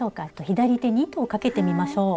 左手に糸をかけてみましょう。